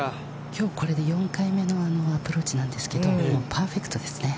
きょうこれで４回目のアプローチなんですけど、パーフェクトですね。